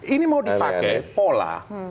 ini mau dipakai pola